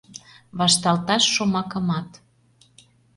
Вашталташ шомакымат